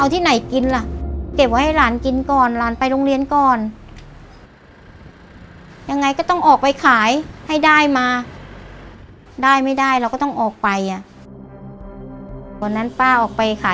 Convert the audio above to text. แต่พอกากกับฉันชิดกันก็มาเบียดป้า